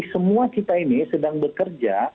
semua kita ini sedang bekerja